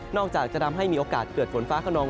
จะทำให้มีโอกาสเกิดฝนฟ้าขนอง